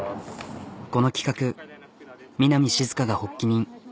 この企画南しずかが発起人。